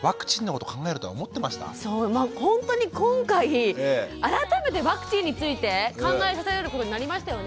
そうまあほんとに今回改めてワクチンについて考えさせられることになりましたよね。